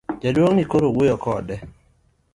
Jaduong' ni koro wuoyo kende.